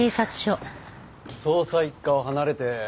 捜査一課を離れて５年か。